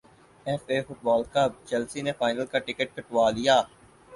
F A football cup Chelsea نے final کا ticket کٹوا لیا